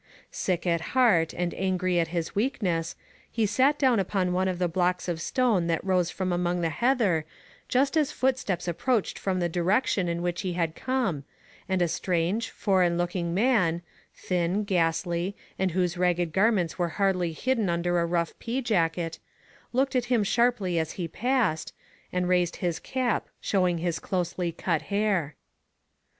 Sick at heart and angry at his weakness, he sat down upon one of the blocks of stone that rose from among the heather just as footsteps ap proached from the direction in which he had come, and a strange, foreign looking man, thin, ghastly, and whose ragged garments were hardly hidden under a rough pea jacket, looked at him sharply as he passed, and raised his cap, showing his closely cut hair.